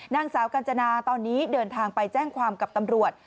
นางสาวกัญจนาตอนนี้เดินทางไปแจ้งความกับตำรวจ